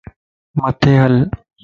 مٿي ھل